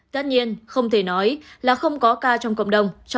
tất nhiên không thể nói là không có ca trong cộng đồng